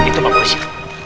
itu pak polisi